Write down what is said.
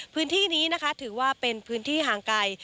พื้นที่นี้นะคะถือว่าเป็นพื้นที่ห่างไกล